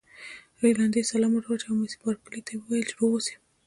رینالډي سلام ور واچاوه او مس بارکلي ته یې وویل چې روغ اوسی.